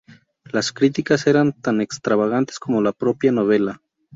Las críticas eran tan extravagantes como la propia novela.